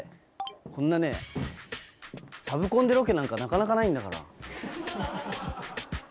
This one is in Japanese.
こんなね、サブコンでロケなんかなかなかないんだから。